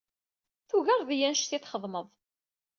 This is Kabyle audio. Tugared-iyi anect ay txedmed.